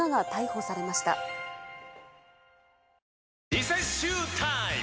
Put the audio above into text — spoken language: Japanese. リセッシュータイム！